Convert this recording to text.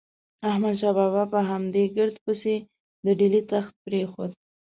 احمد شاه بابا په همدې ګرد پسې د ډیلي تخت پرېښود.